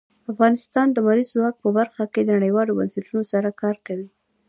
افغانستان د لمریز ځواک په برخه کې نړیوالو بنسټونو سره کار کوي.